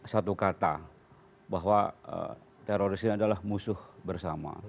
satu kata bahwa teroris ini adalah musuh bersama